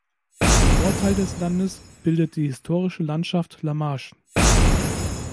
Den Nordteil des Landes bildet die historische Landschaft La Marche.